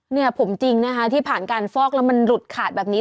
เนี่ยผมจริงนะคะที่ผ่านการฟอกแล้วมันหลุดขาดแบบนี้